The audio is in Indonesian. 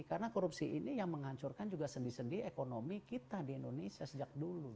karena korupsi ini yang menghancurkan juga sendi sendi ekonomi kita di indonesia sejak dulu